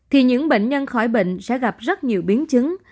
thì những bệnh nhân khỏi bệnh sẽ gặp rất nhiều biến chứng